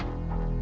aku mau ke rumah